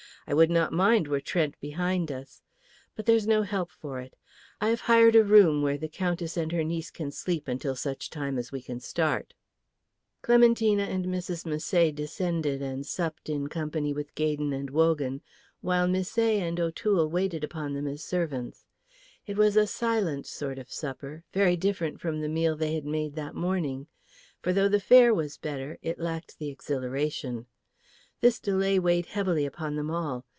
"I would not mind were Trent behind us. But there's no help for it. I have hired a room where the Countess and her niece can sleep until such time as we can start." Clementina and Mrs. Misset descended and supped in company with Gaydon and Wogan, while Misset and O'Toole waited upon them as servants. It was a silent sort of supper, very different from the meal they had made that morning. For though the fare was better, it lacked the exhilaration. This delay weighed heavily upon them all.